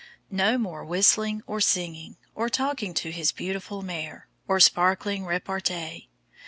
No more whistling or singing, or talking to his beautiful mare, or sparkling repartee.